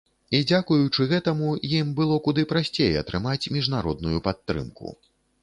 І дзякуючы гэтаму, ім было куды прасцей атрымаць міжнародную падтрымку.